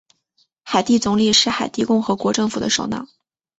海地总理是海地共和国政府的首脑。